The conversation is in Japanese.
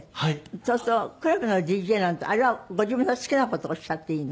そうするとクラブのＤＪなんてあれはご自分の好きな事おっしゃっていいの？